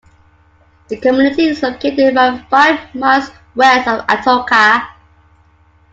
The community is located around five miles west of Atoka.